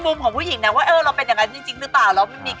มันเป็นอะไร